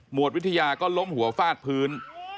วดวิทยาก็ล้มหัวฟาดพื้น